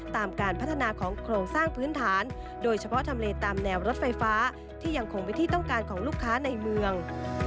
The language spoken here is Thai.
ตามการพัฒนาของโครงสร้างพื้นฐานโดยเฉพาะทำเลตามแนวรถไฟฟ้าที่ยังคงเป็นที่ต้องการของลูกค้าในเมือง